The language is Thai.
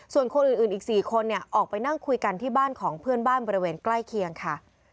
ส่วนคนอื่นอีก๔คนออกไปนั่งคุยกันที่บ้านของเพื่อนบ้านบริเวณใกล้เคียงค่ะ